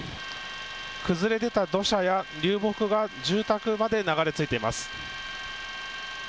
崩れ出た土砂や流木が住宅まで流れ着いています。